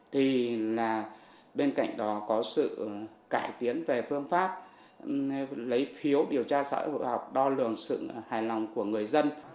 thì bên cạnh đó có sự cải tiến về phương pháp lấy phiếu điều tra xã hội học đo lường sự hài lòng của người dân